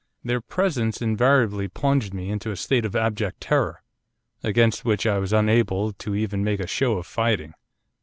Their presence invariably plunged me into a state of abject terror, against which I was unable to even make a show of fighting.